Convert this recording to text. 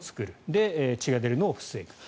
で、血が出るのを防ぐ。